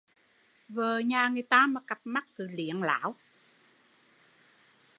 Vợ nhà người ta mà cặp mắt cứ liến láo